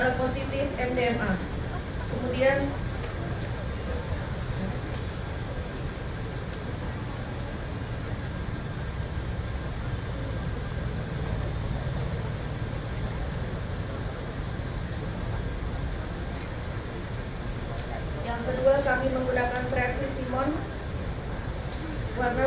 dan kepolisian keuangan